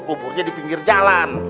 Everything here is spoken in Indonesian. huburnya di pinggir jalan